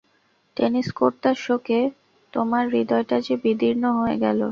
Tennis কোর্তার শোকে তোমার হৃদয়টা যে বিদীর্ণ হয়ে গেল।